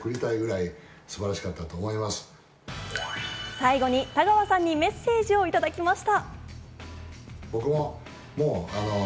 最後に田川さんにメッセージをいただきました。